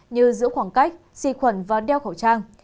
như giữ khoảng cách xì khuẩn và đeo khẩu trang